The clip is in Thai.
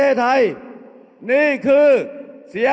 เอาข้างหลังลงซ้าย